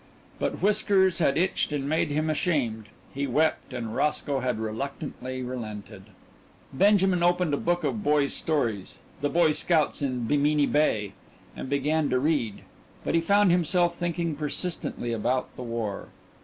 But whiskers had itched and made him ashamed. He wept and Roscoe had reluctantly relented. Benjamin opened a book of boys' stories, The Boy Scouts in Bimini Bay, and began to read. But he found himself thinking persistently about the war.